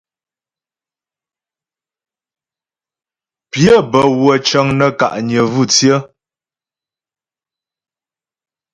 Pyə́ bə́wə́ cəŋ nə́ ka'nyə vú tsyə.